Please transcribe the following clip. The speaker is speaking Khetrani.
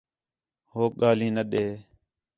ہوک ڳاہلیں نہ ݙے